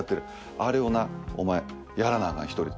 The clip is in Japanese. あれをなお前やらなアカン１人で。